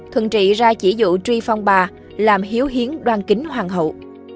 thuận trị ra chỉ dụ truy phong bà làm hiếu hiến đoan kính hoàng hậu